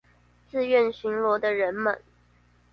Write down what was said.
自願巡邏的人們